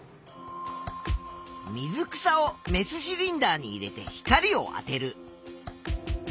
水草をメスシリンダーに入れて光をあてる。